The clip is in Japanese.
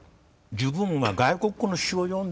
自分は外国語の詩を読んでもね